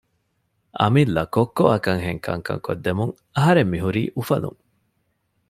އަމިއްލަ ކޮއްކޮއަކަށްހެން ކަންކަން ކޮށްދެމުން އަހަރެން މިހުރީ އުފަލުން